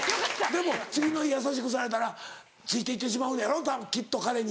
でも次の日優しくされたらついていってしまうのやろたぶんきっと彼に。